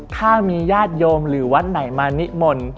ถ้ามีญาติโยมหรือวัดไหนมานิมนต์